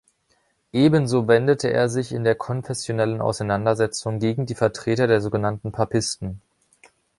Ebenso wendete er sich in der konfessionellen Auseinandersetzung gegen die Vertreter der sogenannten Papisten.